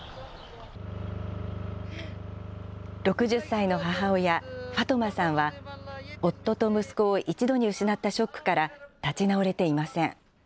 ６０歳の母親、ファトマさんは、夫と息子を一度に失ったショックから立ち直れていません。